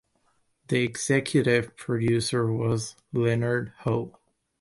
The executive producer was Leonard Ho.